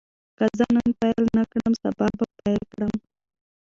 که زه نن پیل نه کړم، سبا به پیل کړم.